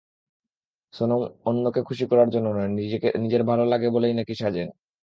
সোনম অন্যকে খুশি করার জন্য নয়, নিজের ভালো লাগে বলেই নাকি সাজেন।